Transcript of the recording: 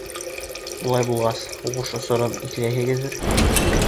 — Улай булғас, һуғыш осорон иҫләйһегеҙҙер?